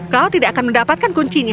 kau tidak akan mendapatkan kuncinya